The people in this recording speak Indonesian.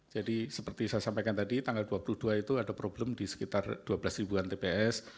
jadi seperti saya sampaikan tadi tanggal dua puluh dua itu ada problem di sekitar dua belas an tps